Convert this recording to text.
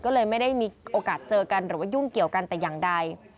ก็เลยไม่ได้มีโอกาสเจอกันหรือว่ายุ่งเกี่ยวกันแต่อย่างใด